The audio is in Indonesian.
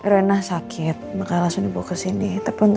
renah sakit maka langsung dibawa ke sini tapi untuk